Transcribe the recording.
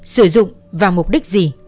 sử dụng và mục đích gì